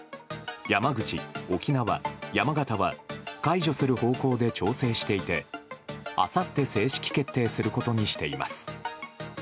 山口、沖縄、山形は解除する方向で調整していて、あさって正式決定することにしています。